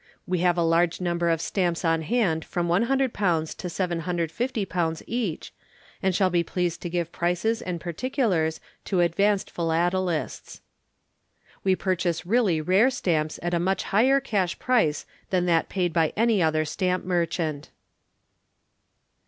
We have a large number of Stamps on hand from £100 to £750 each, and shall be pleased to give prices and particulars to advanced Philatelists. We purchase really Rare Stamps at a much higher Cash Price than that paid by any other Stamp Merchant.